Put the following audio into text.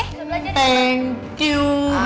bisa belajar di rumah